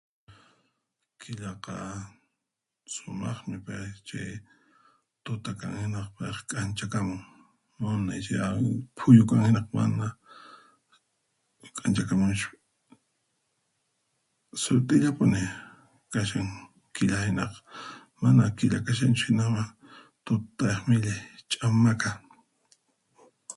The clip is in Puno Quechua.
Killaqa sumaqmi pay, chay tuta kan hinaqa k'anchakamun munay phuyu kan hina mana k'anchakamunchu, sut'illapuni kashan killa hinaqa mana killa kashanchu hina tutayaq millay ch'amaka.